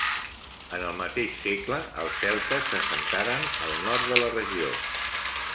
En el mateix segle, els celtes s'assentaren al nord de la regió.